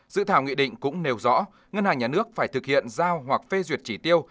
dự thảo nghị định cũng nêu rõ ngân hàng nhà nước phải thực hiện giao hoặc phê duyệt chỉ tiêu